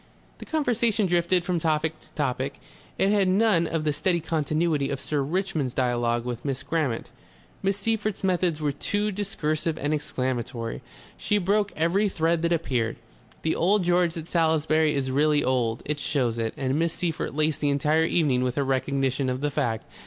The conversation drifted from topic to topic. It had none of the steady continuity of Sir Richmond's duologue with Miss Grammont. Miss Seyffert's methods were too discursive and exclamatory. She broke every thread that appeared. The Old George at Salisbury is really old; it shows it, and Miss Seyffert laced the entire evening with her recognition of the fact.